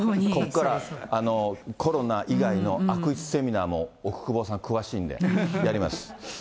ここからコロナ以外の悪質セミナーも、奥窪さん、詳しいんでやります。